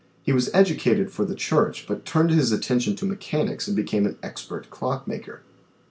He was educated for the church, but turned his attention to mechanics and became an expert clock maker.